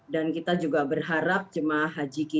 dan kita juga berharap jemaah haji kita juga terkait